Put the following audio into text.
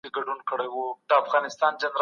پردی کسب عبدالباري جهاني